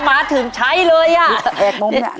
มาถึงใช้เลย